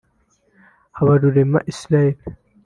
Habarurema Isaie